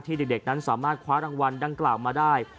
เด็กนั้นสามารถคว้ารางวัลดังกล่าวมาได้